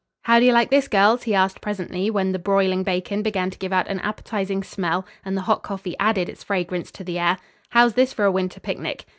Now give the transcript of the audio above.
"How do you like this, girls?" he asked presently, when the broiling bacon began to give out an appetizing smell and the hot coffee added its fragrance to the air. "How's this for a winter picnic?"